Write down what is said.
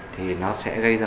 thì nó sẽ gây ra